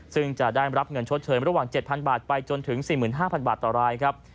ซึ่งจะได้รับเงินชดเชยระหว่าง๗๐๐บาทไปจนถึง๔๕๐๐บาทต่อรายครับ